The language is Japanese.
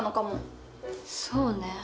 そうね。